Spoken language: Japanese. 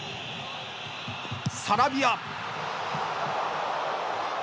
サラビア！